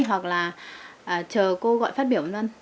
hoặc là chờ cô gọi phát biến